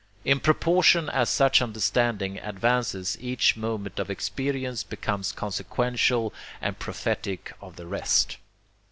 ...In proportion as such understanding advances each moment of experience becomes consequential and prophetic of the rest.